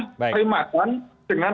rumah terima kan dengan